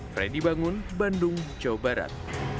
freddy bangun bandung jawa barat